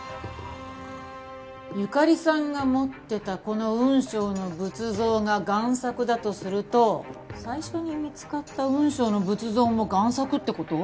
ゆかりさんが持ってたこの雲尚の仏像が贋作だとすると最初に見つかった雲尚の仏像も贋作って事？